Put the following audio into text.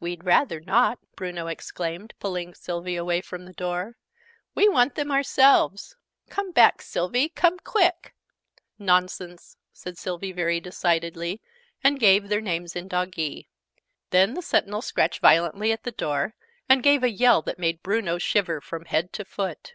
"We'd rather not!" Bruno exclaimed, pulling' Sylvie away from the door. "We want them ourselves. Come back, Sylvie! Come quick!" "Nonsense!" said Sylvie very decidedly: and gave their names in Doggee. Then the Sentinel scratched violently at the door, and gave a yell that made Bruno shiver from head to foot.